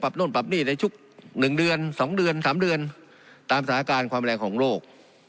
ปรับโน่นปรับนี่ในชุดหนึ่งเดือนสองเดือนสามเดือนตามสถาการณ์ความแรงของโลก